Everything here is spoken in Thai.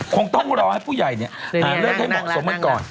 คงต้องรอให้ผู้ใหญ่เลิกให้มองสมมุติก่อน